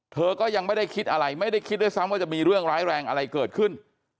เธอก็ยังไม่ได้คิดอะไรไม่ได้คิดด้วยซ้ำว่าจะมีเรื่องร้ายแรงอะไรเกิดขึ้น